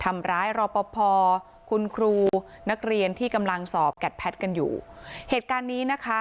ทำร้ายรอปภคุณครูนักเรียนที่กำลังสอบแกดแพทย์กันอยู่เหตุการณ์นี้นะคะ